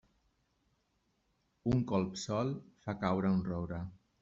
Un colp sol fa caure un roure.